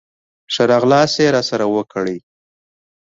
ښه راغلاست یې راسره وکړ.